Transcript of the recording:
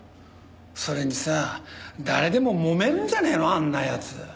それにさ誰でももめるんじゃねえのあんな奴。